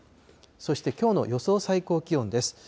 そして、きょうの予想最高気温です。